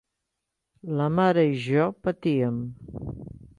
La mare i jo patíem.